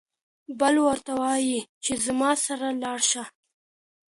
بل ورته وايي چې زما سره لاړ شه.